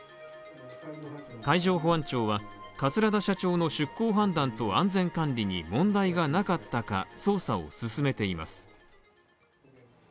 海上保安庁は、桂田社長の出航判断と安全管理に問題がなかったか捜査を進めています。